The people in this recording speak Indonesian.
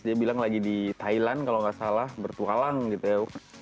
dia bilang lagi di thailand kalau nggak salah bertualang gitu ya